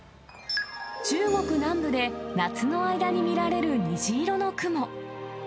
中国南部で夏の間に見られる虹色の雲。